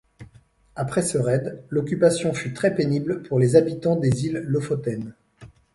Après ce raid, l'occupation fut très pénible pour les habitants des îles Lofoten.